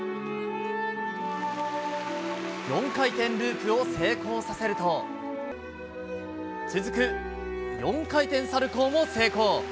４回転ループを成功させると、続く４回転サルコーも成功。